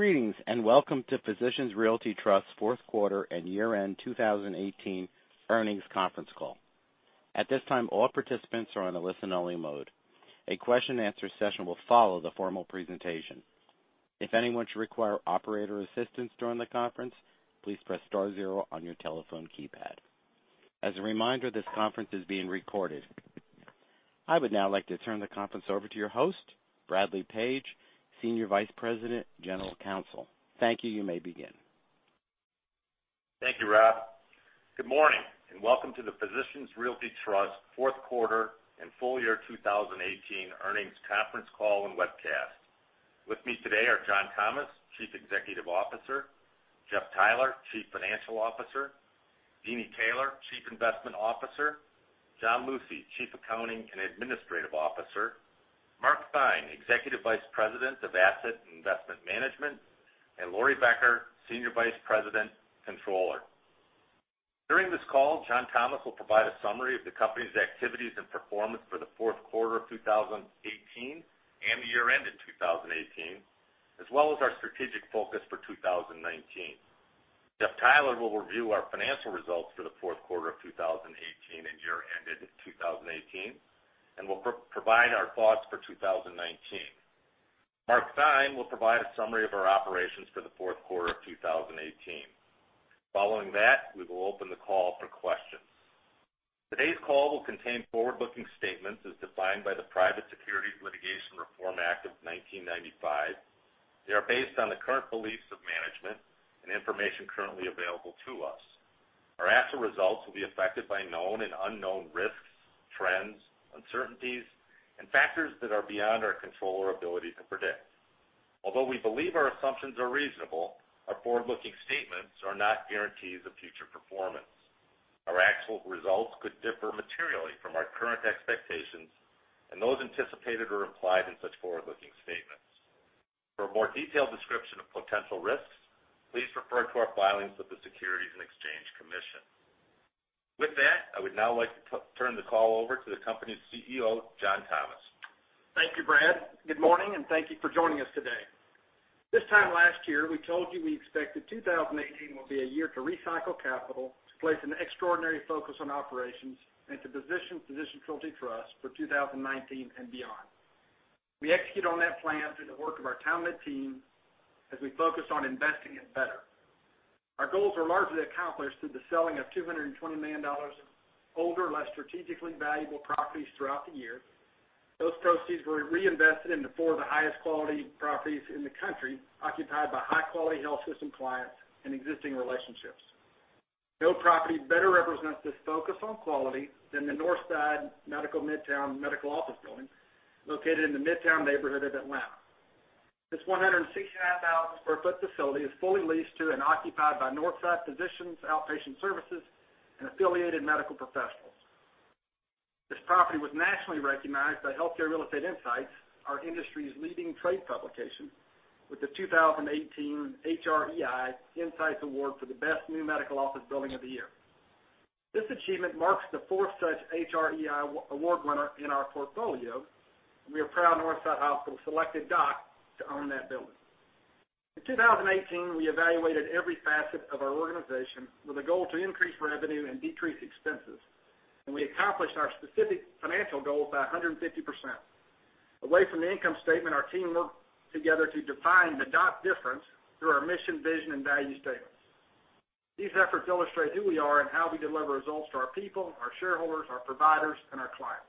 Greetings, and welcome to Physicians Realty Trust's fourth quarter and year-end 2018 earnings conference call. At this time, all participants are on a listen-only mode. A question and answer session will follow the formal presentation. If anyone should require operator assistance during the conference, please press star zero on your telephone keypad. As a reminder, this conference is being recorded. I would now like to turn the conference over to your host, Bradley Page, Senior Vice President, General Counsel. Thank you. You may begin. Thank you, Rob. Good morning, and welcome to the Physicians Realty Trust fourth quarter and full year 2018 earnings conference call and webcast. With me today are John Thomas, Chief Executive Officer, Jeff Theiler, Chief Financial Officer, Deeni Taylor, Chief Investment Officer, John Lucey, Chief Accounting and Administrative Officer, Mark Theine, Executive Vice President of Asset and Investment Management, and Lori Becker, Senior Vice President, Controller. During this call, John Thomas will provide a summary of the company's activities and performance for the fourth quarter of 2018 and the year-ended 2018, as well as our strategic focus for 2019. Jeff Theiler will review our financial results for the fourth quarter of 2018 and year ended 2018, and will provide our thoughts for 2019. Mark Theine will provide a summary of our operations for the fourth quarter of 2018. Following that, we will open the call for questions. Today's call will contain forward-looking statements as defined by the Private Securities Litigation Reform Act of 1995. They are based on the current beliefs of management and information currently available to us. Our actual results will be affected by known and unknown risks, trends, uncertainties, and factors that are beyond our control or ability to predict. Although we believe our assumptions are reasonable, our forward-looking statements are not guarantees of future performance. Our actual results could differ materially from our current expectations and those anticipated or implied in such forward-looking statements. For a more detailed description of potential risks, please refer to our filings with the Securities and Exchange Commission. With that, I would now like to turn the call over to the company's CEO, John Thomas. Thank you, Brad. Good morning, and thank you for joining us today. This time last year, we told you we expected 2018 will be a year to recycle capital, to place an extraordinary focus on operations, and to position Physicians Realty Trust for 2019 and beyond. We execute on that plan through the work of our talented team as we focus on investing in better. Our goals are largely accomplished through the selling of $220 million older, less strategically valuable properties throughout the year. Those proceeds were reinvested into four of the highest quality properties in the country, occupied by high-quality health system clients and existing relationships. No property better represents this focus on quality than the Northside Medical Midtown Medical Office Building located in the Midtown neighborhood of Atlanta. This 166,000 sq ft facility is fully leased to and occupied by Northside Physicians outpatient services and affiliated medical professionals. This property was nationally recognized by Healthcare Real Estate Insights, our industry's leading trade publication, with the 2018 HREI Insights Award for the best new medical office building of the year. This achievement marks the fourth such HREI award winner in our portfolio. We are proud Northside Hospital selected DOC to own that building. In 2018, we evaluated every facet of our organization with a goal to increase revenue and decrease expenses. We accomplished our specific financial goals by 150%. Away from the income statement, our team worked together to define the DOC difference through our mission, vision, and value statements. These efforts illustrate who we are and how we deliver results to our people, our shareholders, our providers, and our clients.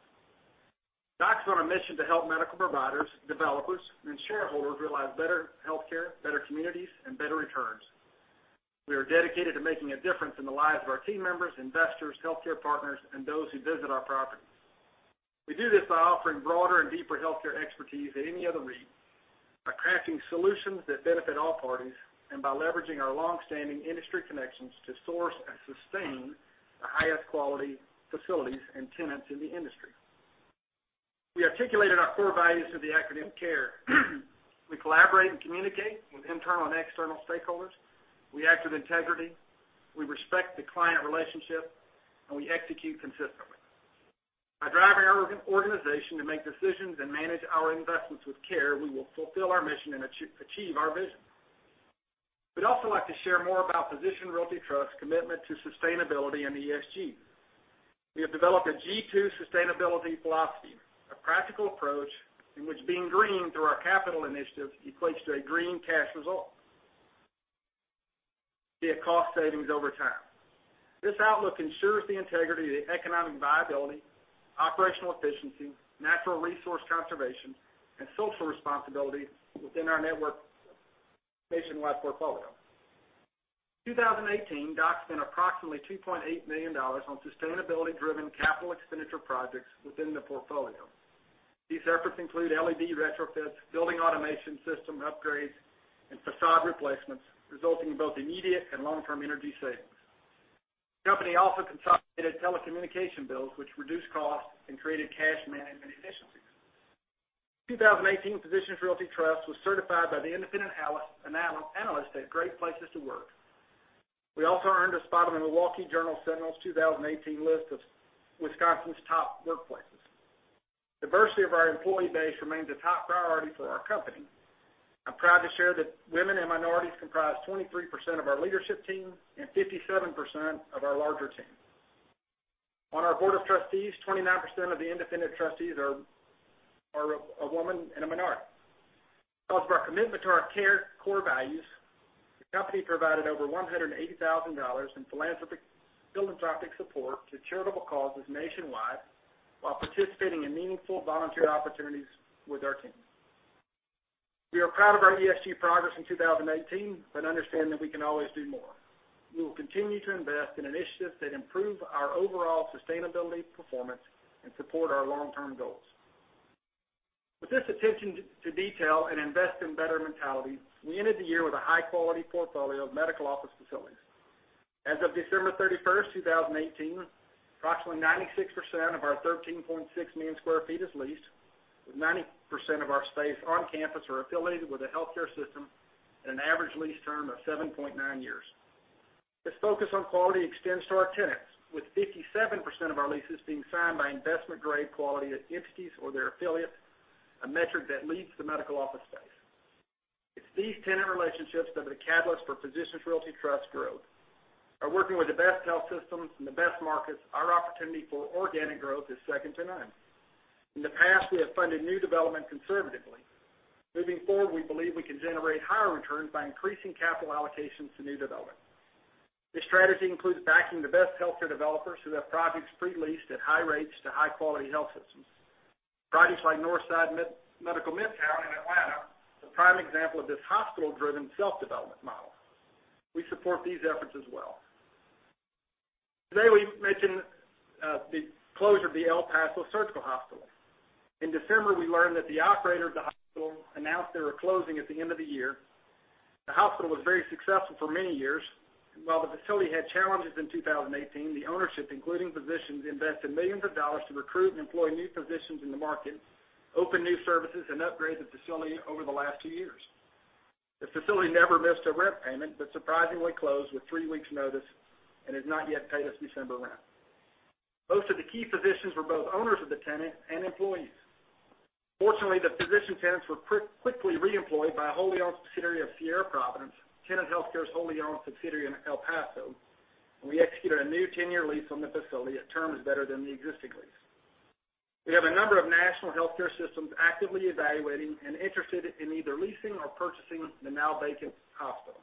DOC's on a mission to help medical providers, developers, and shareholders realize better healthcare, better communities, and better returns. We are dedicated to making a difference in the lives of our team members, investors, healthcare partners, and those who visit our properties. We do this by offering broader and deeper healthcare expertise than any other REIT, by crafting solutions that benefit all parties, and by leveraging our longstanding industry connections to source and sustain the highest quality facilities and tenants in the industry. We articulated our core values through the acronym CARE. We collaborate and communicate with internal and external stakeholders. We act with integrity. We respect the client relationship, and we execute consistently. By driving our organization to make decisions and manage our investments with CARE, we will fulfill our mission and achieve our vision. We'd also like to share more about Physicians Realty Trust's commitment to sustainability and ESG. We have developed a G2 Sustainability philosophy, a practical approach in which being green through our capital initiatives equates to a green cash result via cost savings over time. This outlook ensures the integrity, the economic viability, operational efficiency, natural resource conservation, and social responsibility within our nationwide portfolio. In 2018, DOC spent approximately $2.8 million on sustainability-driven capital expenditure projects within the portfolio. These efforts include LED retrofits, building automation system upgrades, and facade replacements, resulting in both immediate and long-term energy savings. The company also consolidated telecommunication bills, which reduced costs and created cash management efficiencies. In 2018, Physicians Realty Trust was certified by the independent analysts at Great Place to Work. We also earned a spot on the Milwaukee Journal Sentinel's 2018 list of Wisconsin's top workplaces. Diversity of our employee base remains a top priority for our company. I'm proud to share that women and minorities comprise 23% of our leadership team, and 57% of our larger team. On our board of trustees, 29% of the independent trustees are a woman and a minority. Because of our commitment to our CARE core values, the company provided over $180,000 in philanthropic support to charitable causes nationwide, while participating in meaningful volunteer opportunities with our team. We are proud of our ESG progress in 2018. Understand that we can always do more. We will continue to invest in initiatives that improve our overall sustainability performance and support our long-term goals. With this attention to detail and invest-in-better mentality, we ended the year with a high-quality portfolio of medical office facilities. As of December 31st, 2018, approximately 96% of our 13.6 million square feet is leased, with 90% of our space on campus or affiliated with a healthcare system, and an average lease term of 7.9 years. This focus on quality extends to our tenants, with 57% of our leases being signed by investment-grade quality entities or their affiliates, a metric that leads the medical office space. It's these tenant relationships that are the catalyst for Physicians Realty Trust growth. By working with the best health systems in the best markets, our opportunity for organic growth is second to none. In the past, we have funded new development conservatively. Moving forward, we believe we can generate higher returns by increasing capital allocations to new development. This strategy includes backing the best healthcare developers who have projects pre-leased at high rates to high-quality health systems. Projects like Northside Medical Midtown in Atlanta is a prime example of this hospital-driven self-development model. We support these efforts as well. Today, we mentioned the closure of the El Paso Specialty Hospital. In December, we learned that the operator of the hospital announced they were closing at the end of the year. The hospital was very successful for many years. While the facility had challenges in 2018, the ownership, including physicians, invested millions of dollars to recruit and employ new physicians in the market, open new services, and upgrade the facility over the last two years. The facility never missed a rent payment, but surprisingly closed with three weeks' notice and has not yet paid its December rent. Most of the key physicians were both owners of the tenant and employees. Fortunately, the physician tenants were quickly reemployed by a wholly-owned subsidiary of Sierra Providence, Tenet Healthcare's wholly-owned subsidiary in El Paso, and we executed a new 10-year lease on the facility at terms better than the existing lease. We have a number of national healthcare systems actively evaluating and interested in either leasing or purchasing the now-vacant hospital.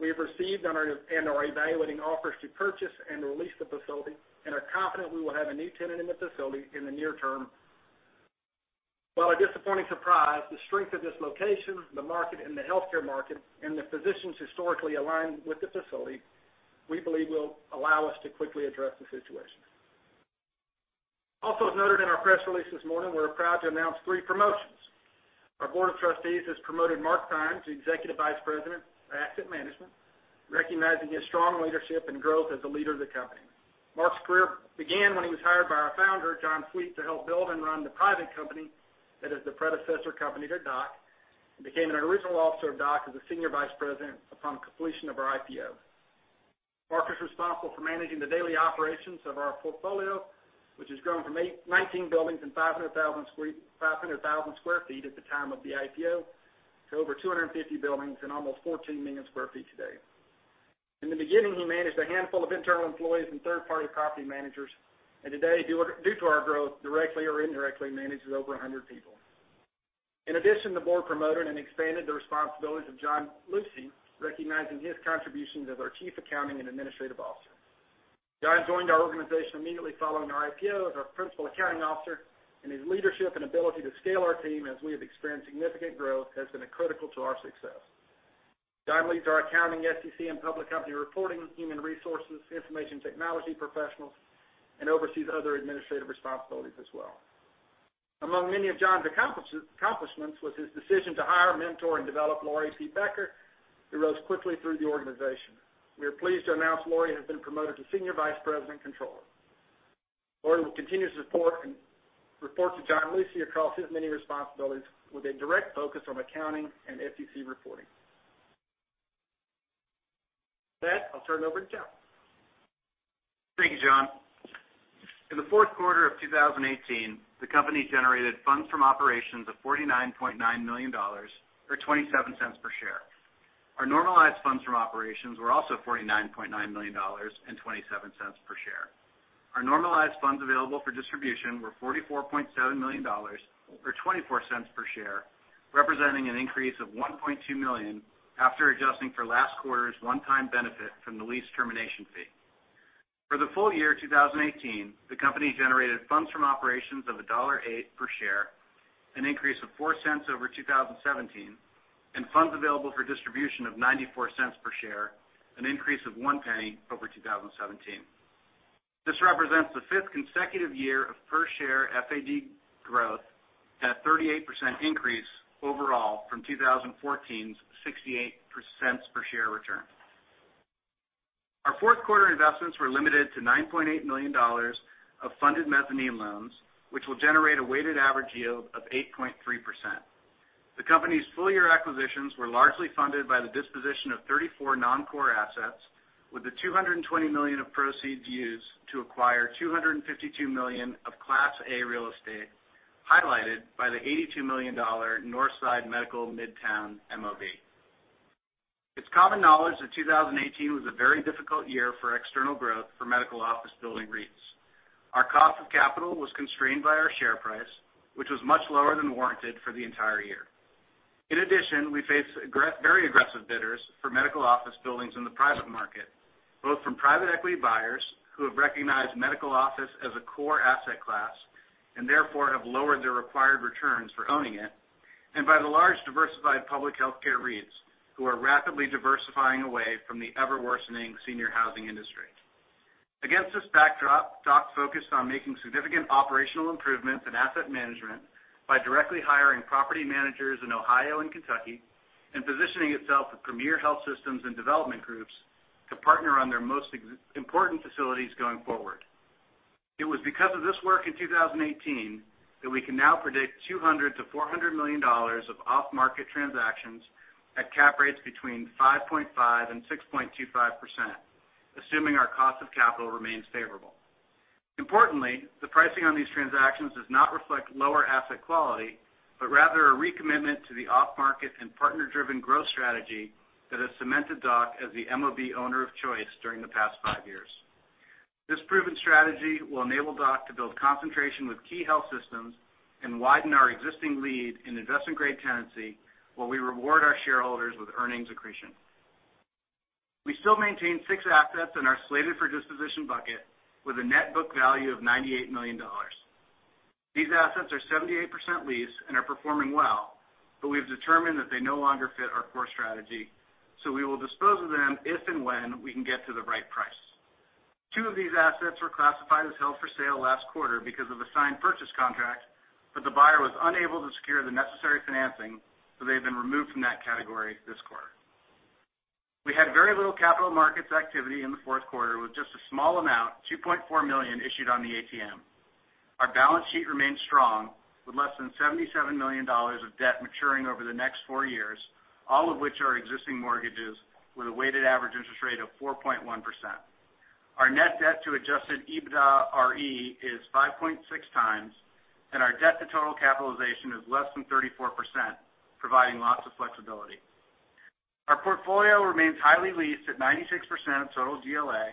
We have received and are evaluating offers to purchase and release the facility, and are confident we will have a new tenant in the facility in the near term. While a disappointing surprise, the strength of this location, the market and the healthcare market, and the physicians historically aligned with the facility, we believe, will allow us to quickly address the situation. Also, as noted in our press release this morning, we're proud to announce three promotions. Our board of trustees has promoted Mark Theine, Executive Vice President of Asset Management, recognizing his strong leadership and growth as a leader of the company. Mark's career began when he was hired by our founder, John Sweet, to help build and run the private company that is the predecessor company to DOC, and became an original officer of DOC as the Senior Vice President upon completion of our IPO. Mark is responsible for managing the daily operations of our portfolio, which has grown from 19 buildings and 500,000 sq ft at the time of the IPO, to over 250 buildings and almost 14 million sq ft today. In the beginning, he managed a handful of internal employees and third-party property managers, and today, due to our growth, directly or indirectly manages over 100 people. In addition, the board promoted and expanded the responsibilities of John Lucey, recognizing his contributions as our Chief Accounting and Administrative Officer. John joined our organization immediately following our IPO as our Principal Accounting Officer, and his leadership and ability to scale our team as we have experienced significant growth, has been critical to our success. John leads our accounting, SEC and public company reporting, human resources, information technology professionals, and oversees other administrative responsibilities as well. Among many of John's accomplishments was his decision to hire, mentor, and develop Lori C. Becker, who rose quickly through the organization. We are pleased to announce Lori has been promoted to Senior Vice President Controller. Lori will continue to report to John Lucey across his many responsibilities, with a direct focus on accounting and SEC reporting. With that, I'll turn it over to Jeff. Thank you, John. In the fourth quarter of 2018, the company generated funds from operations of $49.9 million, or $0.27 per share. Our normalized funds from operations were also $49.9 million and $0.27 per share. Our normalized funds available for distribution were $44.7 million, or $0.24 per share, representing an increase of $1.2 million after adjusting for last quarter's one-time benefit from the lease termination fee. For the full year 2018, the company generated funds from operations of $1.08 per share, an increase of $0.04 over 2017, and funds available for distribution of $0.94 per share, an increase of $0.01 over 2017. This represents the fifth consecutive year of per-share FAD growth, and a 38% increase overall from 2014's $0.68 per share return. Our fourth quarter investments were limited to $9.8 million of funded mezzanine loans, which will generate a weighted average yield of 8.3%. The company's full-year acquisitions were largely funded by the disposition of 34 non-core assets, with the $220 million of proceeds used to acquire $252 million of Class A real estate, highlighted by the $82 million Northside Medical Midtown MOB. It's common knowledge that 2018 was a very difficult year for external growth for medical office building REITs. Our cost of capital was constrained by our share price, which was much lower than warranted for the entire year. In addition, we faced very aggressive bidders for medical office buildings in the private market, both from private equity buyers who have recognized medical office as a core asset class, and therefore have lowered their required returns for owning it, and by the large, diversified public healthcare REITs, who are rapidly diversifying away from the ever-worsening senior housing industry. Against this backdrop, DOC focused on making significant operational improvements in asset management by directly hiring property managers in Ohio and Kentucky and positioning itself with premier health systems and development groups to partner on their most important facilities going forward. It was because of this work in 2018 that we can now predict $200 million-$400 million of off-market transactions at cap rates between 5.5%-6.25%, assuming our cost of capital remains favorable. Importantly, the pricing on these transactions does not reflect lower asset quality, but rather a recommitment to the off-market and partner-driven growth strategy that has cemented DOC as the MOB owner of choice during the past five years. This proven strategy will enable DOC to build concentration with key health systems and widen our existing lead in investment-grade tenancy, while we reward our shareholders with earnings accretion. We still maintain six assets in our slated-for-disposition bucket with a net book value of $98 million. These assets are 78% leased and are performing well, but we've determined that they no longer fit our core strategy, so we will dispose of them if and when we can get to the right price. Two of these assets were classified as held for sale last quarter because of a signed purchase contract, but the buyer was unable to secure the necessary financing, so they have been removed from that category this quarter. We had very little capital markets activity in the fourth quarter with just a small amount, $2.4 million, issued on the ATM. Our balance sheet remains strong with less than $77 million of debt maturing over the next four years, all of which are existing mortgages with a weighted average interest rate of 4.1%. Our net debt to adjusted EBITDAre is 5.6 times, and our debt to total capitalization is less than 34%, providing lots of flexibility. Our portfolio remains highly leased at 96% of total GLA,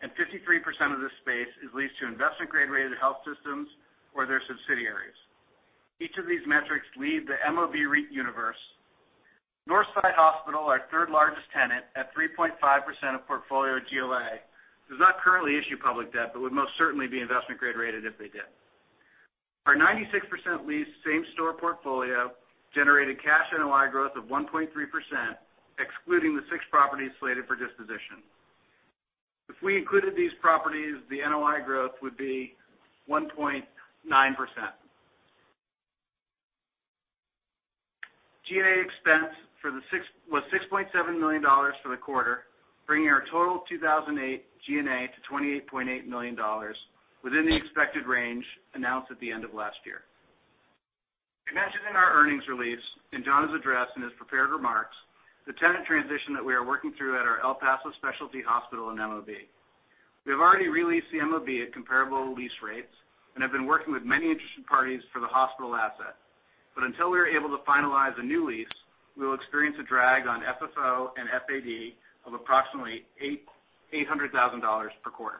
and 53% of this space is leased to investment-grade-rated health systems or their subsidiaries. Each of these metrics lead the MOB REIT universe. Northside Hospital, our third-largest tenant at 3.5% of portfolio GLA, does not currently issue public debt but would most certainly be investment-grade rated if they did. Our 96% leased same-store portfolio generated cash NOI growth of 1.3%, excluding the six properties slated for disposition. If we included these properties, the NOI growth would be 1.9%. G&A expense was $6.7 million for the quarter, bringing our total 2018 G&A to $28.8 million, within the expected range announced at the end of last year. We mentioned in our earnings release, and John has addressed in his prepared remarks, the tenant transition that we are working through at our El Paso Specialty Hospital and MOB. We have already re-leased the MOB at comparable lease rates and have been working with many interested parties for the hospital asset. Until we are able to finalize a new lease, we will experience a drag on FFO and FAD of approximately $800,000 per quarter.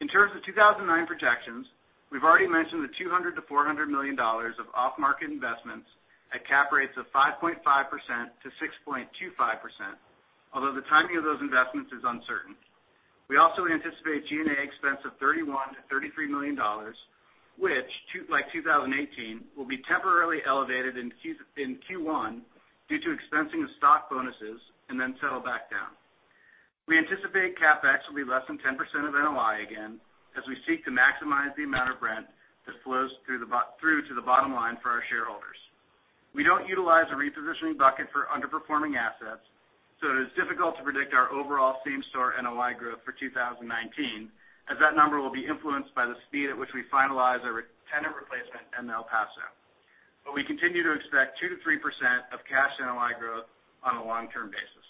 In terms of 2019 projections, we've already mentioned the $200 million-$400 million of off-market investments at cap rates of 5.5%-6.25%, although the timing of those investments is uncertain. We also anticipate G&A expense of $31 million-$33 million, which, like 2018, will be temporarily elevated in Q1 due to expensing of stock bonuses and then settle back down. We anticipate CapEx will be less than 10% of NOI again as we seek to maximize the amount of rent that flows through to the bottom line for our shareholders. We don't utilize a repositioning bucket for underperforming assets, so it is difficult to predict our overall same-store NOI growth for 2019, as that number will be influenced by the speed at which we finalize our tenant replacement in El Paso. We continue to expect 2%-3% of cash NOI growth on a long-term basis.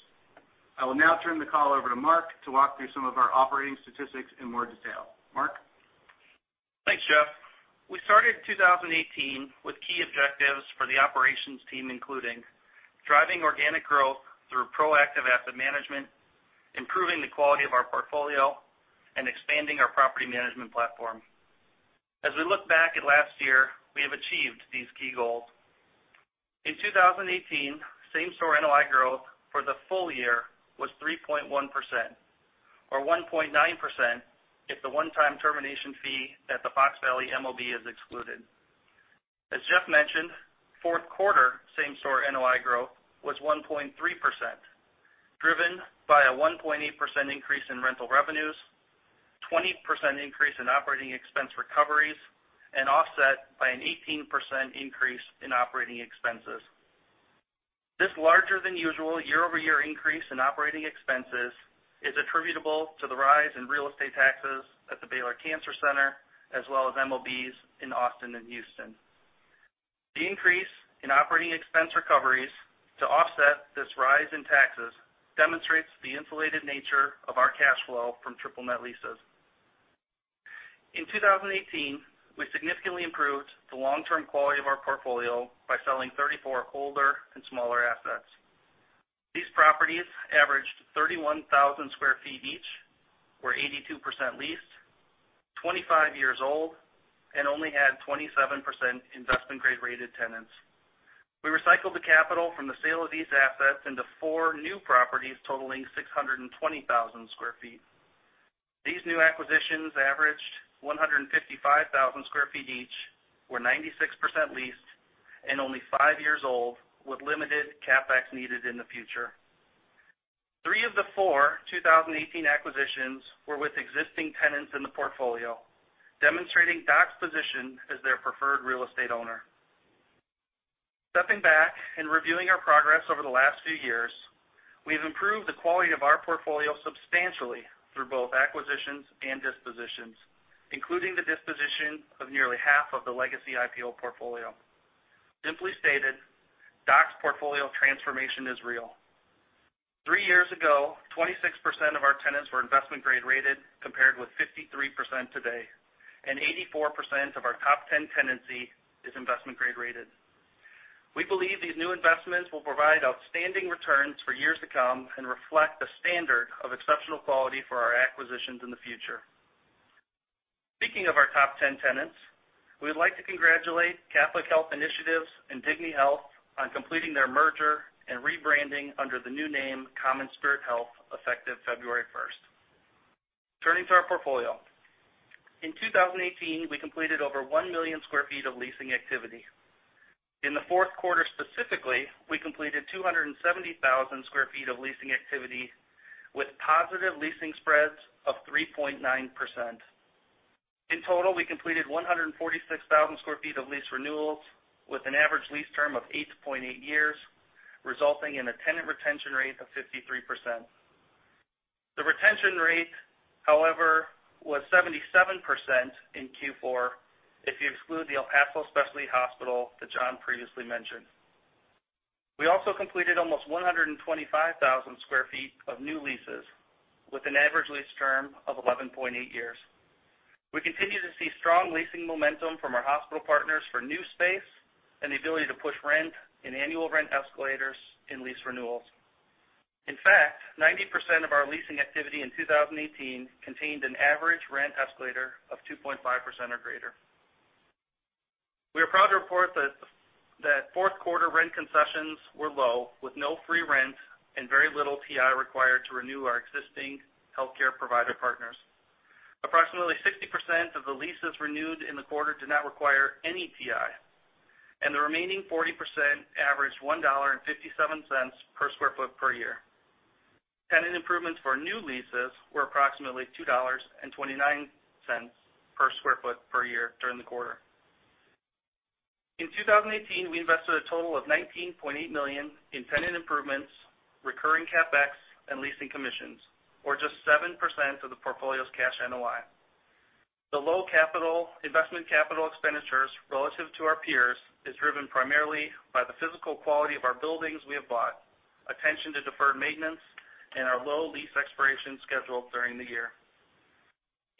I will now turn the call over to Mark to walk through some of our operating statistics in more detail. Mark? Thanks, Jeff. We started 2018 with key objectives for the operations team, including driving organic growth through proactive asset management, improving the quality of our portfolio, and expanding our property management platform. As we look back at last year, we have achieved these key goals. In 2018, same-store NOI growth for the full year was 3.1%, or 1.9% if the one-time termination fee at the Fox Valley MOB is excluded. As Jeff mentioned, fourth quarter same-store NOI growth was 1.3%, driven by a 1.8% increase in rental revenues, 20% increase in operating expense recoveries, and offset by an 18% increase in operating expenses. This larger than usual year-over-year increase in operating expenses is attributable to the rise in real estate taxes at the Baylor Cancer Center, as well as MOBs in Austin and Houston. The increase in operating expense recoveries to offset this rise in taxes demonstrates the insulated nature of our cash flow from triple net leases. In 2018, we significantly improved the long-term quality of our portfolio by selling 34 older and smaller assets. These properties averaged 31,000 sq ft each, were 82% leased, 25 years old, and only had 27% investment-grade rated tenants. We recycled the capital from the sale of these assets into four new properties totaling 620,000 sq ft. These new acquisitions averaged 155,000 sq ft each, were 96% leased, and only five years old, with limited CapEx needed in the future. Three of the four 2018 acquisitions were with existing tenants in the portfolio, demonstrating DOC's position as their preferred real estate owner. Stepping back and reviewing our progress over the last few years, we've improved the quality of our portfolio substantially through both acquisitions and dispositions, including the disposition of nearly half of the legacy IPO portfolio. Simply stated, DOC's portfolio transformation is real. Three years ago, 26% of our tenants were investment-grade rated, compared with 53% today, and 84% of our top 10 tenancy is investment-grade rated. We believe these new investments will provide outstanding returns for years to come and reflect the standard of exceptional quality for our acquisitions in the future. Speaking of our top 10 tenants, we would like to congratulate Catholic Health Initiatives and Dignity Health on completing their merger and rebranding under the new name CommonSpirit Health, effective February 1st. Turning to our portfolio. In 2018, we completed over 1 million sq ft of leasing activity. In the fourth quarter specifically, we completed 270,000 square feet of leasing activity with positive leasing spreads of 3.9%. In total, we completed 146,000 square feet of lease renewals with an average lease term of 8.8 years, resulting in a tenant retention rate of 53%. The retention rate, however, was 77% in Q4 if you exclude the El Paso Specialty Hospital that John previously mentioned. We also completed almost 125,000 square feet of new leases with an average lease term of 11.8 years. We continue to see strong leasing momentum from our hospital partners for new space and the ability to push rent and annual rent escalators in lease renewals. In fact, 90% of our leasing activity in 2018 contained an average rent escalator of 2.5% or greater. We are proud to report that fourth quarter rent concessions were low, with no free rent and very little TI required to renew our existing healthcare provider partners. Approximately 60% of the leases renewed in the quarter did not require any TI, and the remaining 40% averaged $1.57 per square foot per year. Tenant improvements for new leases were approximately $2.29 per square foot per year during the quarter. In 2018, we invested a total of $19.8 million in tenant improvements, recurring CapEx, and leasing commissions, or just 7% of the portfolio's cash NOI. The low investment capital expenditures relative to our peers is driven primarily by the physical quality of our buildings we have bought, attention to deferred maintenance, and our low lease expiration schedule during the year.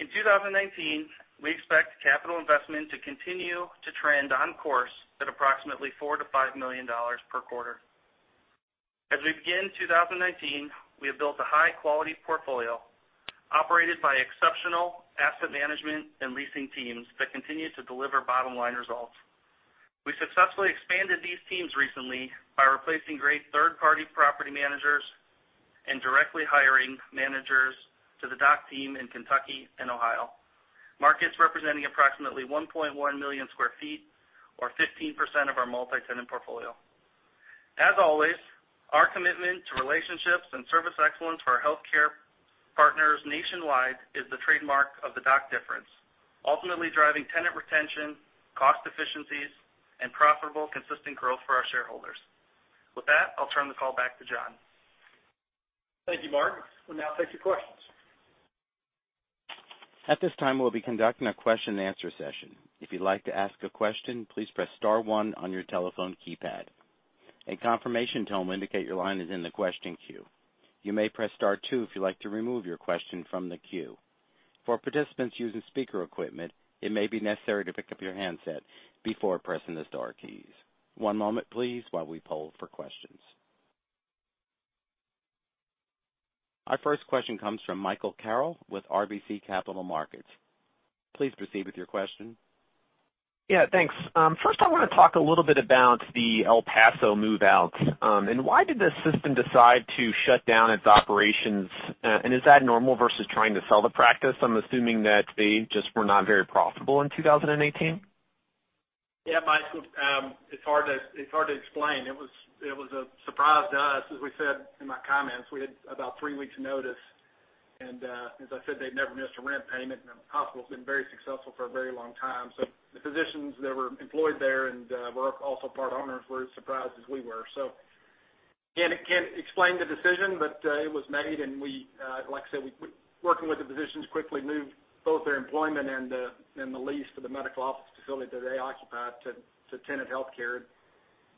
In 2019, we expect capital investment to continue to trend on course at approximately $4 million-$5 million per quarter. As we begin 2019, we have built a high-quality portfolio operated by exceptional asset management and leasing teams that continue to deliver bottom-line results. We successfully expanded these teams recently by replacing great third-party property managers and directly hiring managers to the DOC team in Kentucky and Ohio, markets representing approximately 1.1 million square feet or 15% of our multi-tenant portfolio. As always, our commitment to relationships and service excellence for our healthcare partners nationwide is the trademark of the DOC difference, ultimately driving tenant retention, cost efficiencies, and profitable, consistent growth for our shareholders. With that, I'll turn the call back to John. Thank you, Mark. We'll now take your questions. At this time, we'll be conducting a question and answer session. If you'd like to ask a question, please press star one on your telephone keypad. A confirmation tone will indicate your line is in the question queue. You may press star two if you'd like to remove your question from the queue. For participants using speaker equipment, it may be necessary to pick up your handset before pressing the star keys. One moment, please, while we poll for questions. Our first question comes from Michael Carroll with RBC Capital Markets. Please proceed with your question. Yeah, thanks. First, I want to talk a little bit about the El Paso move-out. Why did the system decide to shut down its operations, and is that normal versus trying to sell the practice? I'm assuming that they just were not very profitable in 2018. Yeah, Michael. It's hard to explain. It was a surprise to us. As we said in my comments, we had about three weeks notice. As I said, they've never missed a rent payment, and the hospital's been very successful for a very long time. The physicians that were employed there and were also part owners were as surprised as we were. Again, can't explain the decision, but it was made, and like I said, working with the physicians, quickly moved both their employment and the lease for the medical office facility that they occupied to Tenet Healthcare,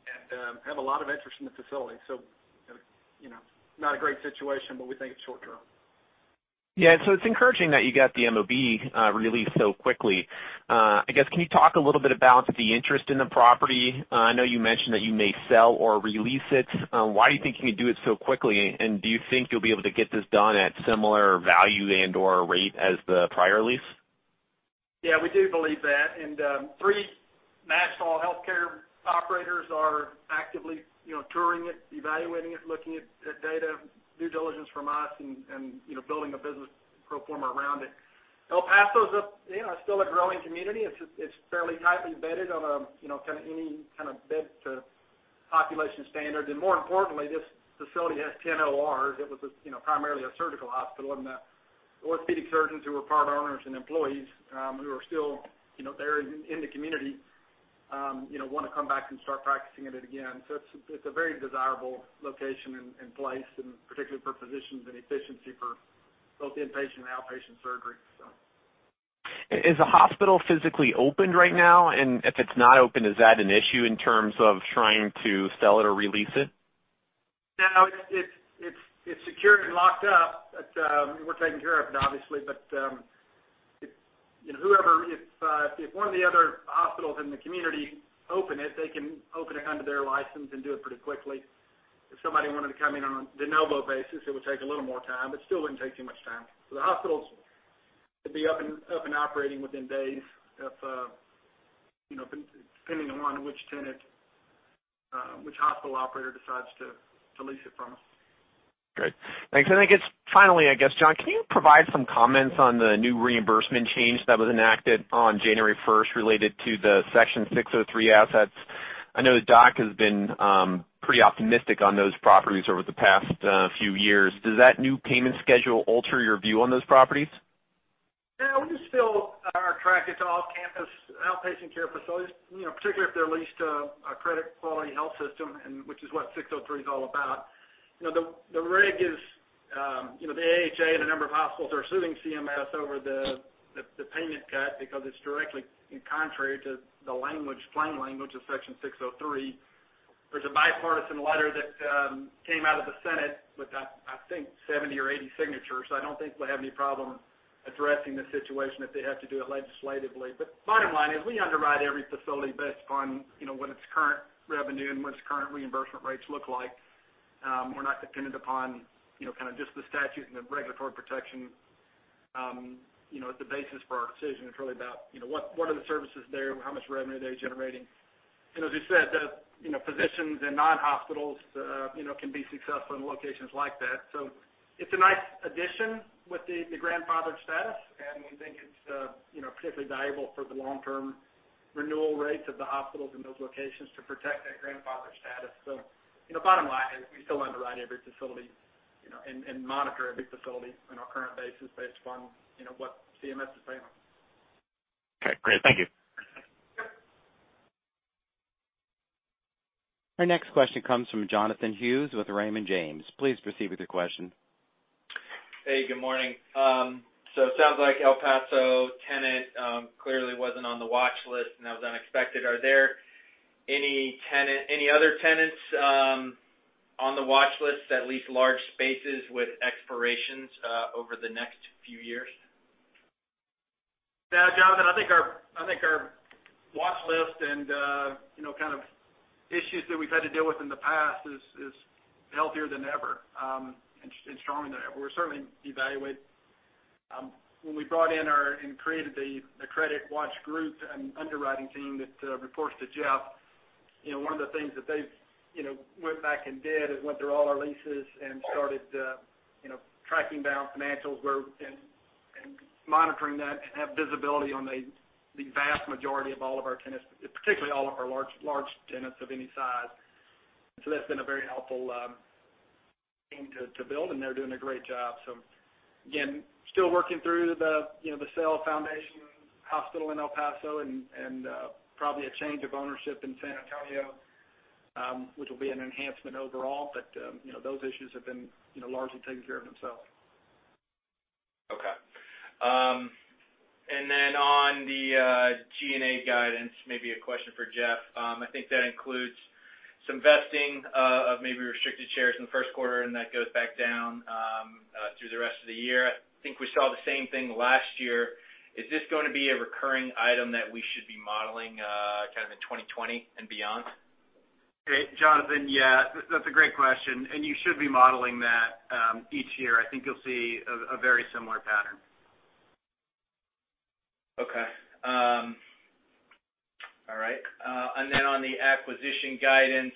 and have a lot of interest in the facility. Not a great situation, but we think it's short-term. Yeah. It's encouraging that you got the MOB re-leased so quickly. I guess, can you talk a little bit about the interest in the property? I know you mentioned that you may sell or re-lease it. Why do you think you can do it so quickly, and do you think you'll be able to get this done at similar value and/or rate as the prior lease? Yeah, we do believe that. Three national healthcare operators are actively touring it, evaluating it, looking at data, due diligence from us, and building a business pro forma around it. El Paso's still a growing community. It's fairly tightly bedded on any kind of bed-to-population standard. More importantly, this facility has 10 ORs. It was primarily a surgical hospital, and the orthopedic surgeons who were part owners and employees, who are still there in the community, want to come back and start practicing at it again. It's a very desirable location and place, and particularly for physicians and efficiency for both inpatient and outpatient surgery. Is the hospital physically opened right now? If it's not open, is that an issue in terms of trying to sell it or re-lease it? No, it's secured and locked up. We're taking care of it, obviously. If one of the other hospitals in the community open it, they can open it under their license and do it pretty quickly. If somebody wanted to come in on de novo basis, it would take a little more time, but still wouldn't take too much time. The hospital could be up and operating within days, depending upon which tenant, which hospital operator decides to lease it from us. Great. Thanks. I guess finally, I guess, John, can you provide some comments on the new reimbursement change that was enacted on January 1st related to the Section 603 assets? I know the DOC has been pretty optimistic on those properties over the past few years. Does that new payment schedule alter your view on those properties? No, we just feel on our track. It's off-campus outpatient care facilities, particularly if they're leased to a credit quality health system, which is what 603's all about. The AHA and a number of hospitals are suing CMS over the payment cut because it's directly contrary to the plain language of Section 603. There's a bipartisan letter that came out of the Senate with, I think, 70 or 80 signatures. I don't think they'll have any problem addressing the situation if they have to do it legislatively. Bottom line is, we underwrite every facility based upon what its current revenue and what its current reimbursement rates look like. We're not dependent upon just the statute and the regulatory protection as the basis for our decision. It's really about what are the services there, how much revenue are they generating. As you said, the physicians and non-hospitals can be successful in locations like that. It's a nice addition with the grandfathered status. We think it's particularly valuable for the long-term renewal rates of the hospitals in those locations to protect that grandfathered status. Bottom line is we still underwrite every facility, and monitor every facility on our current basis, based upon what CMS is paying them. Okay, great. Thank you. Our next question comes from Jonathan Hughes with Raymond James. Please proceed with your question. Hey, good morning. It sounds like El Paso tenant clearly wasn't on the watch list, and that was unexpected. Are there any other tenants on the watch list that lease large spaces with expirations over the next few years? No, Jonathan, I think our watch list and kind of issues that we've had to deal with in the past is healthier than ever and stronger than ever. We're certainly When we brought in our and created the credit watch group and underwriting team that reports to Jeff, one of the things that they've went back and did is went through all our leases and started tracking down financials where we can and monitoring that and have visibility on the vast majority of all of our tenants, particularly all of our large tenants of any size. That's been a very helpful team to build, and they're doing a great job. Again, still working through the sale of Foundation Surgical Hospital in El Paso and probably a change of ownership in San Antonio, which will be an enhancement overall. Those issues have been largely taken care of themselves. Okay. Then on the G&A guidance, maybe a question for Jeff. I think that includes some vesting of maybe restricted shares in the first quarter, and that goes back down through the rest of the year. I think we saw the same thing last year. Is this going to be a recurring item that we should be modeling kind of in 2020 and beyond? Great, Jonathan. Yeah. That's a great question. You should be modeling that each year. I think you'll see a very similar pattern. Okay. All right. On the acquisition guidance,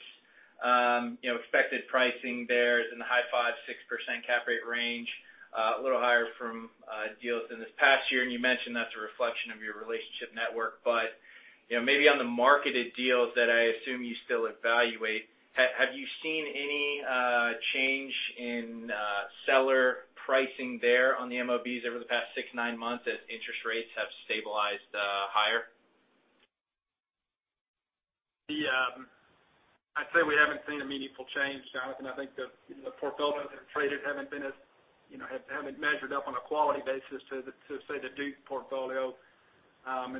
expected pricing there is in the high 5%-6% cap rate range. A little higher from deals in this past year, and you mentioned that's a reflection of your relationship network. Maybe on the marketed deals that I assume you still evaluate, have you seen any change in seller pricing there on the MOBs over the past six, nine months as interest rates have stabilized higher? I'd say we haven't seen a meaningful change, Jonathan. I think the portfolios that have traded haven't measured up on a quality basis to, say, the Duke portfolio.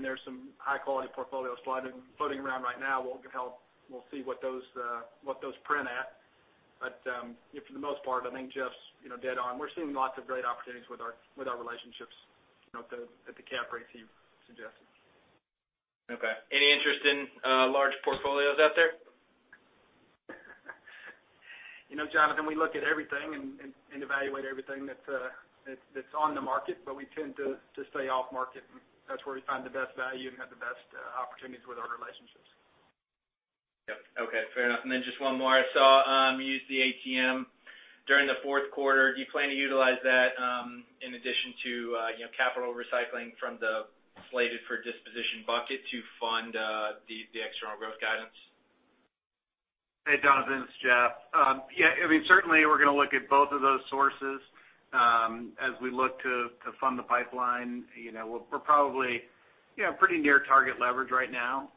There's some high-quality portfolios floating around right now. We'll see what those print at. For the most part, I think Jeff's dead on. We're seeing lots of great opportunities with our relationships at the cap rates you suggested. Okay. Any interest in large portfolios out there? Jonathan, we look at everything and evaluate everything that's on the market, we tend to stay off market, that's where we find the best value and have the best opportunities with our relationships. Yep. Okay. Fair enough. Just one more. I saw you used the ATM during the fourth quarter. Do you plan to utilize that in addition to capital recycling from the slated-for-disposition bucket to fund the external growth guidance? Hey, Jonathan, it's Jeff. Yeah. Certainly, we're going to look at both of those sources, as we look to fund the pipeline. We're probably pretty near target leverage right now.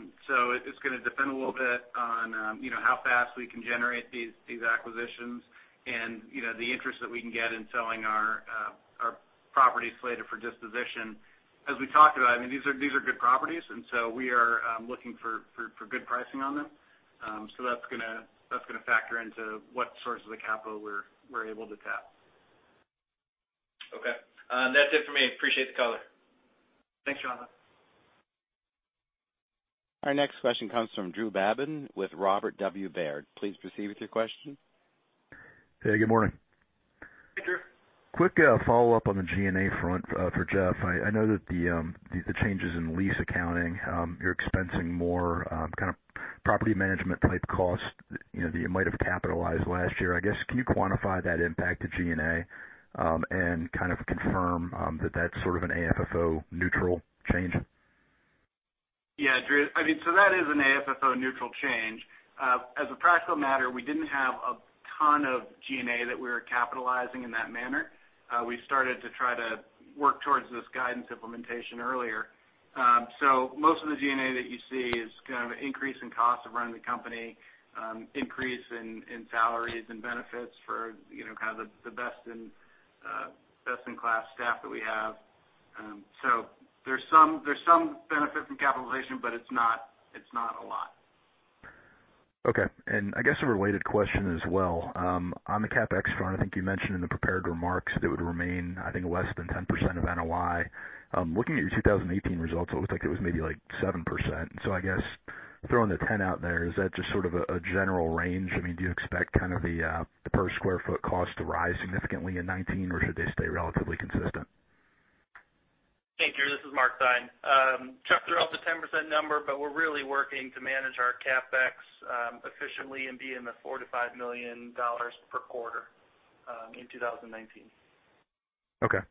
It's going to depend a little bit on how fast we can generate these acquisitions and the interest that we can get in selling our properties slated for disposition. As we talked about, these are good properties, we are looking for good pricing on them. That's going to factor into what source of the capital we're able to tap. Okay. That's it for me. Appreciate the color. Thanks, Jonathan. Our next question comes from Drew Babin with Robert W. Baird. Please proceed with your question. Hey, good morning. Hey, Drew. Quick follow-up on the G&A front for Jeff. I know that the changes in lease accounting, you're expensing more kind of property management-type costs that you might have capitalized last year. I guess, can you quantify that impact to G&A and kind of confirm that that's sort of an AFFO neutral change? Drew. That is an AFFO neutral change. As a practical matter, we didn't have a ton of G&A that we were capitalizing in that manner. We started to try to work towards this guidance implementation earlier. Most of the G&A that you see is kind of an increase in cost of running the company, increase in salaries and benefits for kind of the best-in-class staff that we have. There's some benefit from capitalization, but it's not a lot. Okay. I guess a related question as well. On the CapEx front, I think you mentioned in the prepared remarks that it would remain, I think, less than 10% of NOI. Looking at your 2018 results, it looked like it was maybe like 7%. I guess throwing the 10 out there, is that just sort of a general range? Do you expect kind of the per-square-foot cost to rise significantly in 2019, or should they stay relatively consistent? Hey, Drew. This is Mark Theine. Chuck threw out the 10% number, but we're really working to manage our CapEx efficiently and be in the $4 million to $5 million per quarter in 2019. Okay.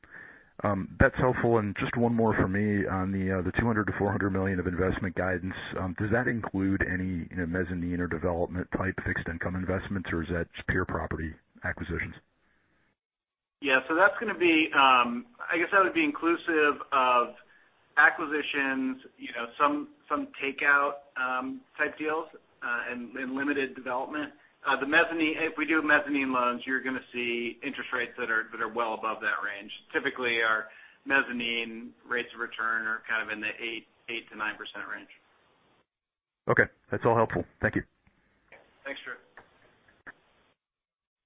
That's helpful. Just one more from me on the $200 million to $400 million of investment guidance. Does that include any mezzanine or development-type fixed income investments, or is that just pure property acquisitions? Yeah. I guess that would be inclusive of acquisitions, some takeout-type deals, and limited development. If we do mezzanine loans, you're going to see interest rates that are well above that range. Typically, our mezzanine rates of return are kind of in the 8%-9% range. Okay. That's all helpful. Thank you. Thanks, Drew.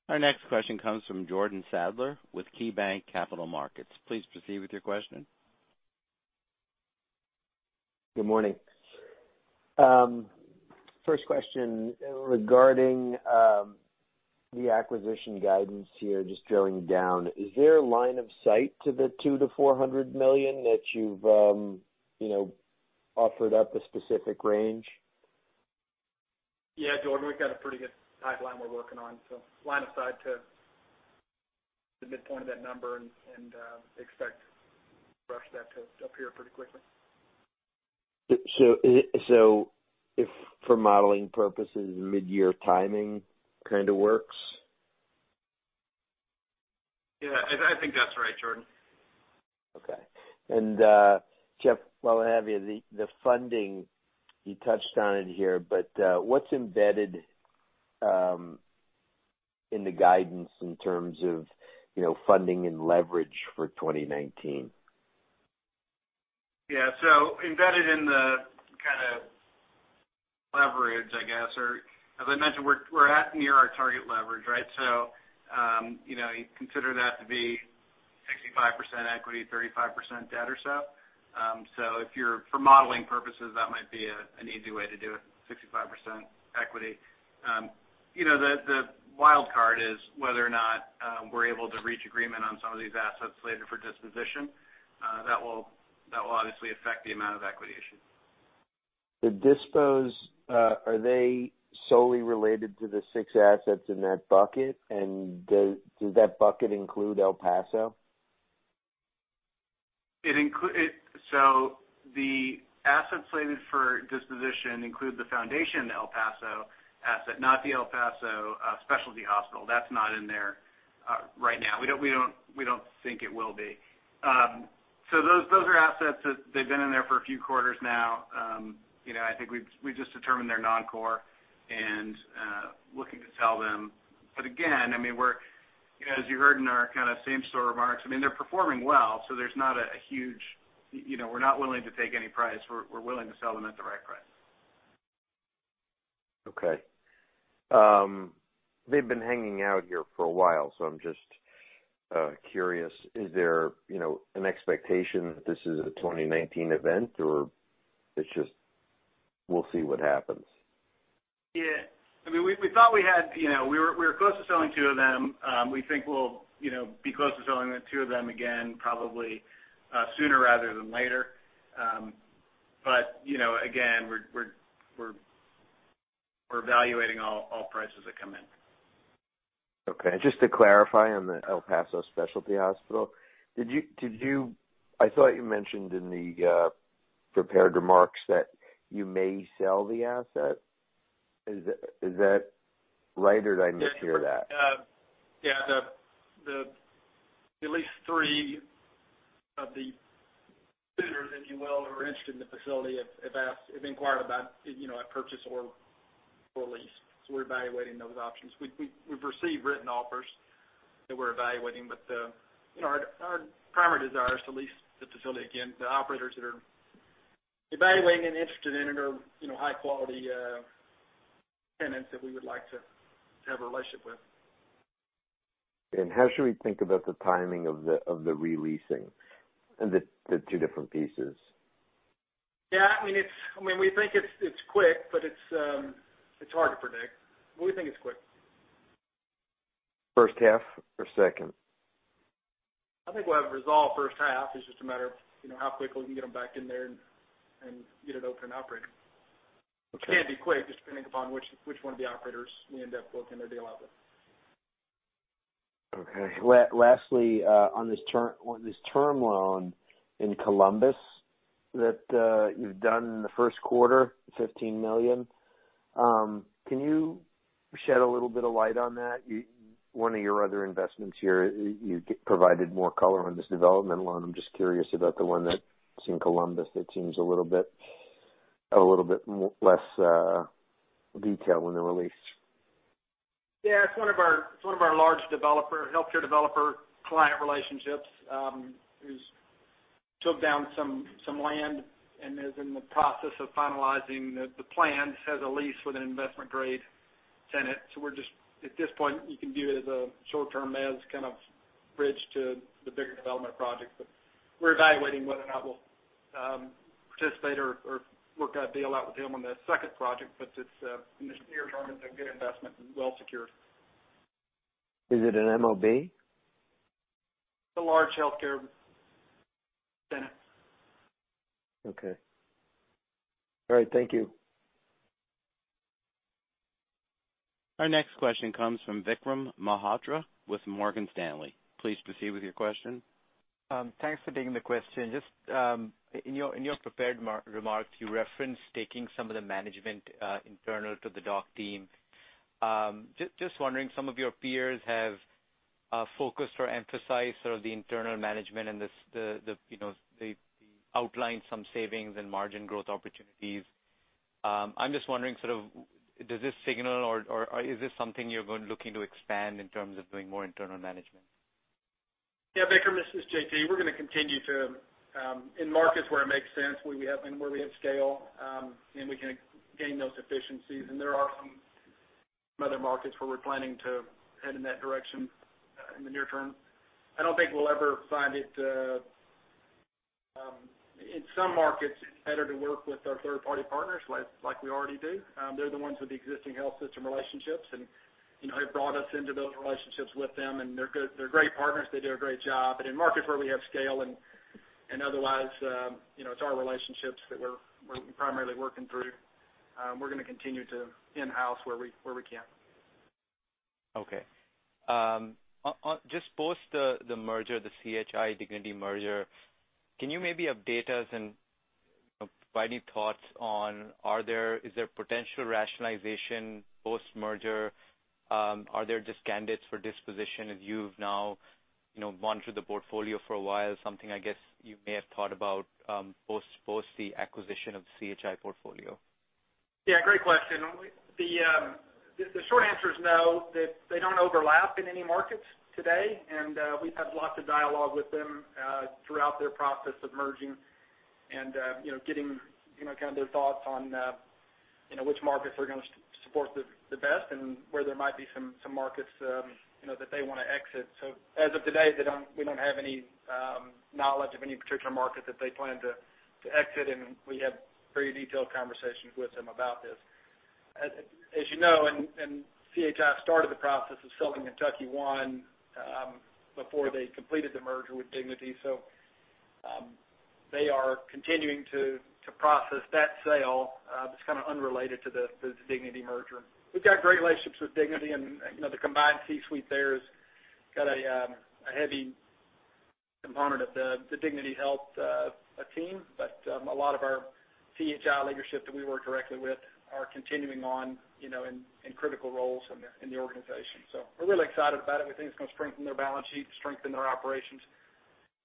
Our next question comes from Jordan Sadler with KeyBank Capital Markets. Please proceed with your question. Good morning. First question regarding the acquisition guidance here, just drilling down. Is there a line of sight to the $200 million-$400 million that you've offered up a specific range? Yeah, Jordan, we've got a pretty good pipeline we're working on. Line of sight to the midpoint of that number and expect the rest of that to appear pretty quickly. If for modeling purposes, mid-year timing kind of works? Yeah, I think that's right, Jordan. Jeff, while I have you, the funding, you touched on it here, but what's embedded in the guidance in terms of funding and leverage for 2019? Yeah. Embedded in the kind of leverage, I guess, or as I mentioned, we're at near our target leverage, right? You consider that to be 65% equity, 35% debt or so. For modeling purposes, that might be an easy way to do it, 65% equity. The wildcard is whether or not we're able to reach agreement on some of these assets slated for disposition. That will obviously affect the amount of equity issued. The dispos, are they solely related to the six assets in that bucket? Does that bucket include El Paso? The assets slated for disposition include the Foundation El Paso asset, not the El Paso Specialty Hospital. That's not in there right now. We don't think it will be. Those are assets that they've been in there for a few quarters now. I think we've just determined they're non-core and looking to sell them. Again, as you heard in our same-store remarks, they're performing well, so we're not willing to take any price. We're willing to sell them at the right price. Okay. They've been hanging out here for a while, so I'm just curious, is there an expectation that this is a 2019 event, or it's just we'll see what happens? Yeah. We were close to selling two of them. We think we'll be close to selling the two of them again, probably sooner rather than later. Again, we're evaluating all prices that come in. Okay, just to clarify on the El Paso Specialty Hospital, I thought you mentioned in the prepared remarks that you may sell the asset. Is that right, or did I mishear that? Yeah. At least three of the suitors, if you will, who are interested in the facility have inquired about a purchase or lease. We're evaluating those options. We've received written offers that we're evaluating, but our primary desire is to lease the facility again to operators that are evaluating and interested in it are high-quality tenants that we would like to have a relationship with. How should we think about the timing of the re-leasing and the two different pieces? Yeah, we think it's quick, but it's hard to predict, but we think it's quick. First half or second? I think we'll have it resolved first half. It's just a matter of how quickly we can get them back in there and get it open and operating. Okay. Which can be quick, just depending upon which one of the operators we end up working a deal out with. Okay. On this term loan in Columbus that you've done in the first quarter, $15 million, can you shed a little bit of light on that? One of your other investments here, you provided more color on this development loan. I'm just curious about the one that's in Columbus, that seems a little bit less detail when they're released. It's one of our large healthcare developer client relationships, who's took down some land and is in the process of finalizing the plans, has a lease with an investment-grade tenant. At this point, you can view it as a short-term mez kind of bridge to the bigger development project. We're evaluating whether or not we'll participate or work that deal out with him on that second project, in the near term, it's a good investment and well-secured. Is it an MOB? It's a large healthcare tenant. Okay. All right. Thank you. Our next question comes from Vikram Malhotra with Morgan Stanley. Please proceed with your question. Thanks for taking the question. Just in your prepared remarks, you referenced taking some of the management internal to the DOC team. Just wondering, some of your peers have focused or emphasized sort of the internal management and they outlined some savings and margin growth opportunities. I'm just wondering, sort of, does this signal, or is this something you're looking to expand in terms of doing more internal management? Yeah, Vikram, this is JT. We're going to continue to, in markets where it makes sense, and where we have scale, and we can gain those efficiencies, and there are some other markets where we're planning to head in that direction in the near term. I don't think we'll ever find it. In some markets, it's better to work with our third-party partners, like we already do. They're the ones with the existing health system relationships, and they've brought us into those relationships with them, and they're great partners. They do a great job. In markets where we have scale and otherwise, it's our relationships that we're primarily working through. We're going to continue to in-house where we can. Okay. Just post the merger, the CHI Dignity merger, can you maybe update us and provide any thoughts on, is there potential rationalization post-merger? Are there just candidates for disposition as you've now monitored the portfolio for a while, something I guess you may have thought about post the acquisition of the CHI portfolio? Yeah, great question. The short answer is no. They don't overlap in any markets today, and we've had lots of dialogue with them throughout their process of merging and getting kind of their thoughts on which markets are going to support the best and where there might be some markets that they want to exit. As of today, we don't have any knowledge of any particular market that they plan to exit, and we have very detailed conversations with them about this. As you know, CHI started the process of selling Kentucky One before they completed the merger with Dignity. They are continuing to process that sale. It's kind of unrelated to the Dignity merger. We've got great relationships with Dignity, and the combined C-suite there has got a heavy component of the Dignity Health team. A lot of our CHI leadership that we work directly with are continuing on in critical roles in the organization. We're really excited about it. We think it's going to strengthen their balance sheet, strengthen their operations,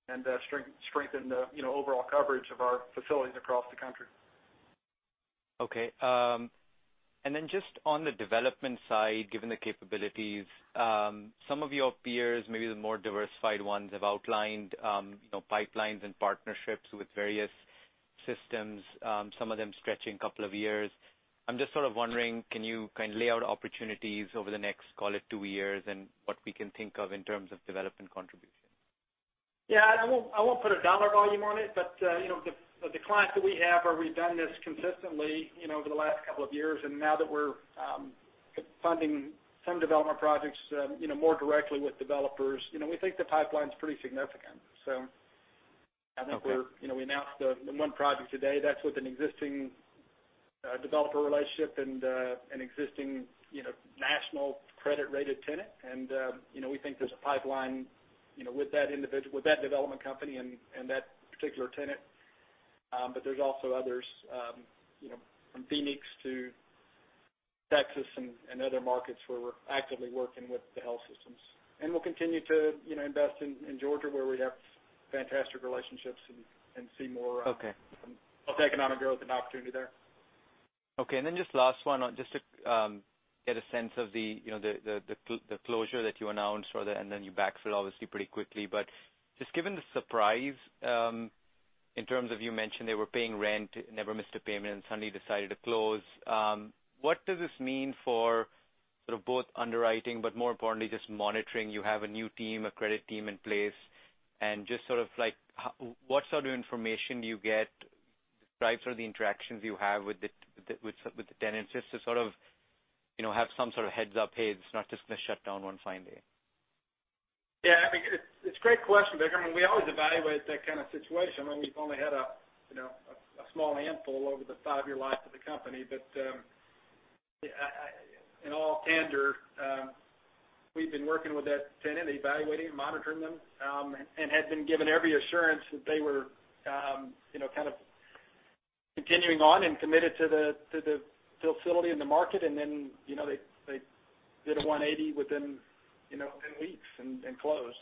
and strengthen the overall coverage of our facilities across the country. Okay. Just on the development side, given the capabilities, some of your peers, maybe the more diversified ones, have outlined pipelines and partnerships with various systems, some of them stretching a couple of years. I'm just sort of wondering, can you kind of lay out opportunities over the next, call it, two years and what we can think of in terms of development contribution? Yeah. I won't put a dollar volume on it, but the clients that we have where we've done this consistently over the last couple of years, and now that we're funding some development projects more directly with developers, we think the pipeline's pretty significant. I think we announced the one project today. That's with an existing developer relationship and an existing national credit-rated tenant, and we think there's a pipeline with that development company and that particular tenant. There's also others from Phoenix to Texas and other markets where we're actively working with the health systems. We'll continue to invest in Georgia, where we have fantastic relationships and see more- Okay of economic growth and opportunity there. Okay, just last one, just to get a sense of the closure that you announced and then you backfilled, obviously, pretty quickly. Just given the surprise in terms of you mentioned they were paying rent, never missed a payment, and suddenly decided to close. What does this mean for sort of both underwriting, but more importantly, just monitoring? You have a new team, a credit team in place, and just sort of like what sort of information do you get, describe sort of the interactions you have with the tenants, just to sort of have some sort of heads up, "Hey, this is not just going to shut down one fine day. Yeah. It's a great question, Vikram. We always evaluate that kind of situation. We've only had a small handful over the five-year life of the company. In all candor, we've been working with that tenant, evaluating and monitoring them, and had been given every assurance that they were kind of continuing on and committed to the facility and the market, and then they did a 180 within weeks and closed.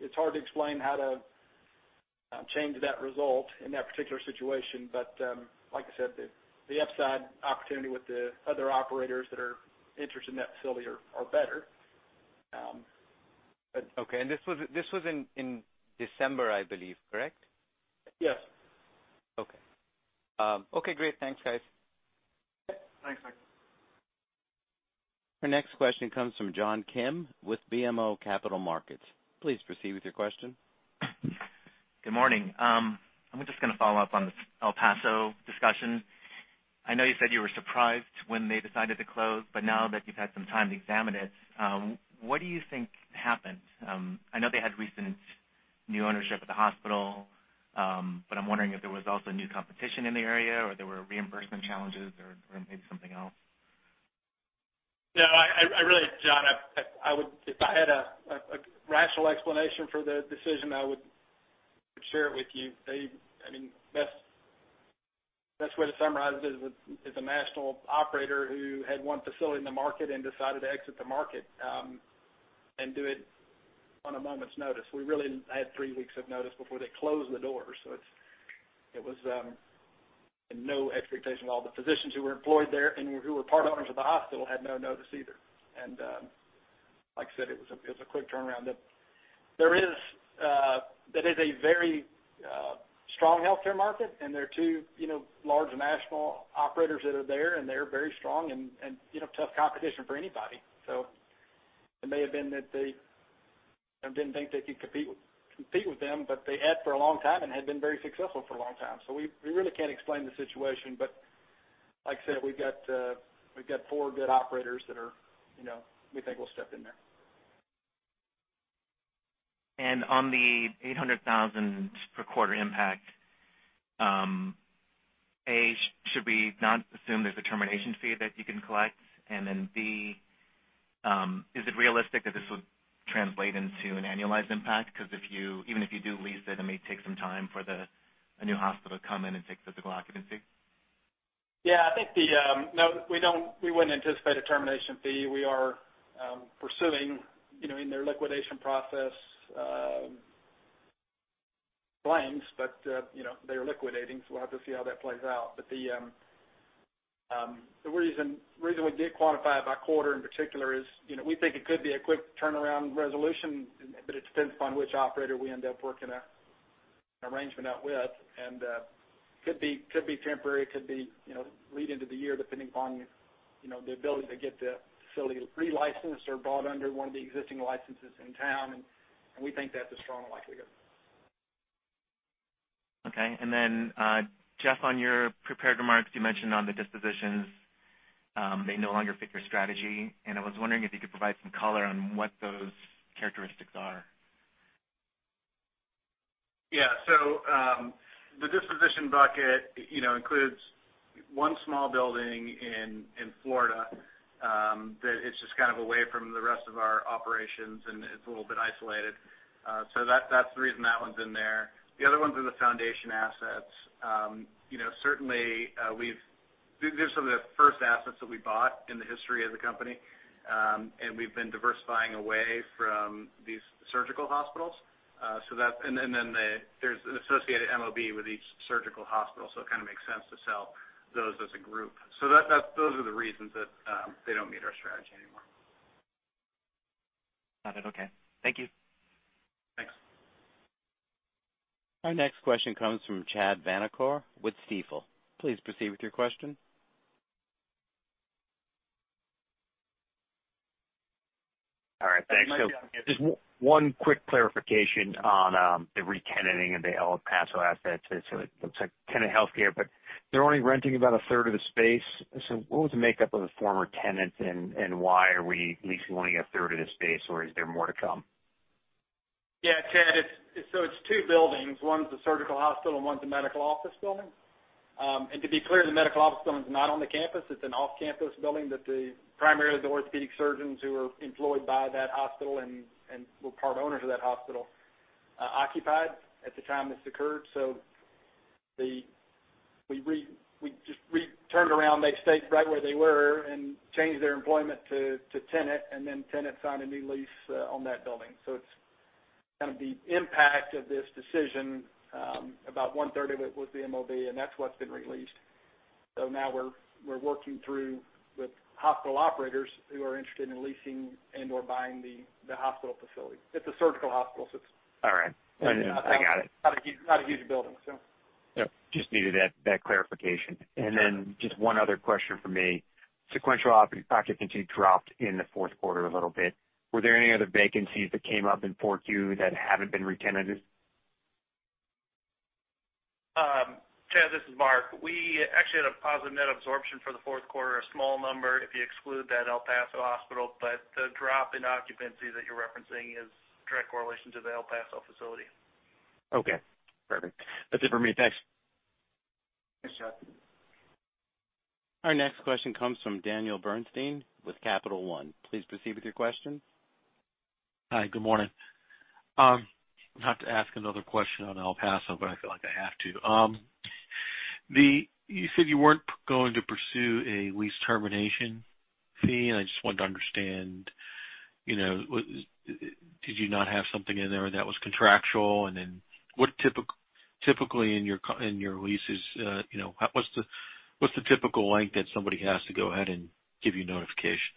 It's hard to explain how to change that result in that particular situation. Like I said, the upside opportunity with the other operators that are interested in that facility are better. Okay. This was in December, I believe. Correct? Yes. Okay. Okay, great. Thanks, guys. Thanks, Vikram. Our next question comes from John Kim with BMO Capital Markets. Please proceed with your question. Good morning. I'm just going to follow up on this El Paso discussion. Now that you've had some time to examine it, what do you think happened? I know they had recent new ownership at the hospital, I'm wondering if there was also new competition in the area or there were reimbursement challenges or maybe something else. No. John, if I had a rational explanation for the decision, I would share it with you. The best way to summarize it is a national operator who had one facility in the market and decided to exit the market and do it on a moment's notice. We really had three weeks of notice before they closed the doors, it was no expectation. All the physicians who were employed there and who were part owners of the hospital had no notice either. Like I said, it was a quick turnaround. That is a very strong healthcare market, there are two large national operators that are there, they're very strong and tough competition for anybody. It may have been that they didn't think they could compete with them, they had for a long time and had been very successful for a long time. We really can't explain the situation, like I said, we've got four good operators that we think will step in there. On the $800,000 per quarter impact, A, should we not assume there's a termination fee that you can collect? B, is it realistic that this would translate into an annualized impact? Even if you do lease it may take some time for a new hospital to come in and take physical occupancy. Yeah, we wouldn't anticipate a termination fee. We are pursuing in their liquidation process claims, they're liquidating, so we'll have to see how that plays out. The reason we did quantify it by quarter in particular is we think it could be a quick turnaround resolution, but it depends upon which operator we end up working an arrangement out with, could be temporary, could lead into the year, depending upon the ability to get the facility re-licensed or brought under one of the existing licenses in town, we think that's a strong likelihood. Okay. Jeff, on your prepared remarks, you mentioned on the dispositions. They no longer fit your strategy. I was wondering if you could provide some color on what those characteristics are. Yeah. The disposition bucket includes one small building in Florida, that it's just kind of away from the rest of our operations, it's a little bit isolated. That's the reason that one's in there. The other ones are the foundation assets. Certainly, these are some of the first assets that we bought in the history of the company, we've been diversifying away from these surgical hospitals. There's an associated MOB with each surgical hospital, it kind of makes sense to sell those as a group. Those are the reasons that they don't meet our strategy anymore. Got it. Okay. Thank you. Thanks. Our next question comes from Chad Vanacore with Stifel. Please proceed with your question. All right. Thanks. Just one quick clarification on the re-tenanting of the El Paso assets. It looks like Tenet Healthcare, but they're only renting about a third of the space. What was the makeup of the former tenants, and why are we leasing only a third of the space, or is there more to come? Chad, it's two buildings. One's the surgical hospital and one's a medical office building. To be clear, the medical office building is not on the campus. It's an off-campus building that primarily the orthopedic surgeons who are employed by that hospital and were part owners of that hospital occupied at the time this occurred. We just turned around, they stayed right where they were and changed their employment to Tenet, and then Tenet signed a new lease on that building. It's kind of the impact of this decision, about one third of it was the MOB, and that's what's been re-leased. Now we're working through with hospital operators who are interested in leasing and/or buying the hospital facility. It's a surgical hospital. All right. I got it. Not a huge building. Yep. Just needed that clarification. Then just one other question from me. Sequential occupancy dropped in the fourth quarter a little bit. Were there any other vacancies that came up in Q4 that haven't been re-tenanted? Chad, this is Mark. We actually had a positive net absorption for the fourth quarter, a small number if you exclude that El Paso hospital. The drop in occupancy that you're referencing is direct correlation to the El Paso facility. Okay, perfect. That's it for me, thanks. Thanks, Chad. Our next question comes from Daniel Bernstein with Capital One. Please proceed with your question. Hi, good morning. I have to ask another question on El Paso, but I feel like I have to. You said you weren't going to pursue a lease termination fee, and I just wanted to understand, did you not have something in there that was contractual? Typically in your leases, what's the typical length that somebody has to go ahead and give you notification?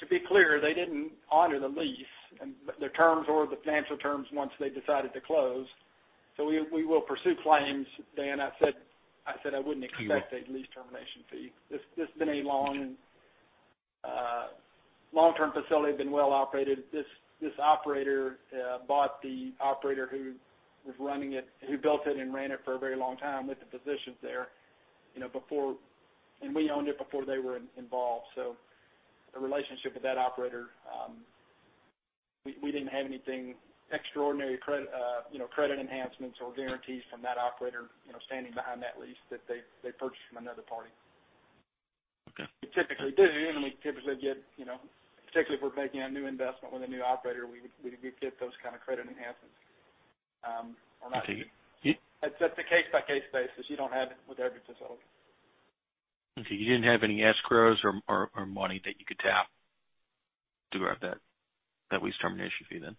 To be clear, they didn't honor the lease and the terms or the financial terms once they decided to close. We will pursue claims, Dan. I said I wouldn't expect a lease termination fee. This has been a long-term facility, been well operated. This operator bought the operator who built it and ran it for a very long time with the physicians there, and we owned it before they were involved. The relationship with that operator, we didn't have anything extraordinary, credit enhancements or guarantees from that operator standing behind that lease that they purchased from another party. Okay. We typically do, and we typically get, particularly if we're making a new investment with a new operator, we'd get those kind of credit enhancements. Okay. It's a case-by-case basis. You don't have it with every facility. Okay. You didn't have any escrows or money that you could tap to grab that lease termination fee then?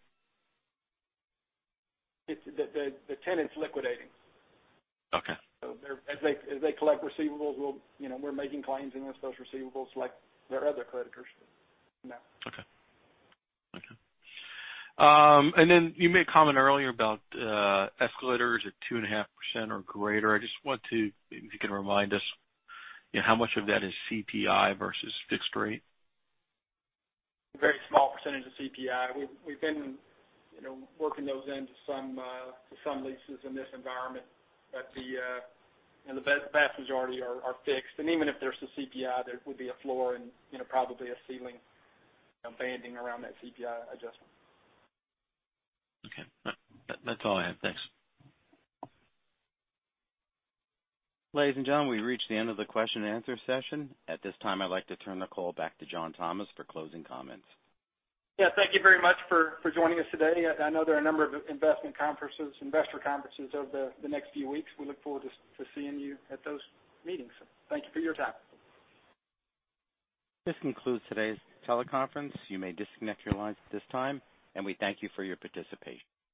The tenant's liquidating. Okay. As they collect receivables, we're making claims against those receivables like their other creditors. No. Okay. Then you made a comment earlier about escalators at 2.5% or greater. If you can remind us how much of that is CPI versus fixed rate? Very small percentage is CPI. We've been working those into some leases in this environment, but the vast majority are fixed. Even if there's some CPI, there would be a floor and probably a ceiling banding around that CPI adjustment. Okay. That's all I have. Thanks. Ladies and gentlemen, we've reached the end of the question and answer session. At this time, I'd like to turn the call back to John Thomas for closing comments. Yeah. Thank you very much for joining us today. I know there are a number of investor conferences over the next few weeks. We look forward to seeing you at those meetings. Thank you for your time. This concludes today's teleconference. You may disconnect your lines at this time, and we thank you for your participation.